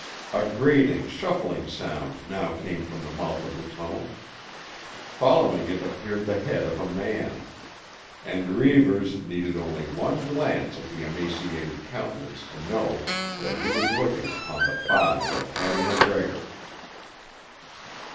A grating, shuffling sound now came from the mouth of the tunnel. Following it appeared the head of a man. And Reivers needed only one glance at the emaciated countenance to know that he was looking upon the father of Hattie MacGregor.